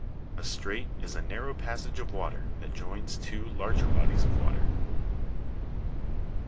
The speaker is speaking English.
A strait is a narrow passage of water that joins two larger bodies of water.